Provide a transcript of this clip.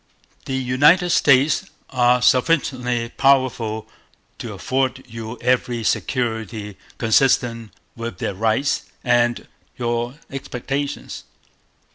The United States are sufficiently powerful to afford you every security consistent with their rights and your expectations.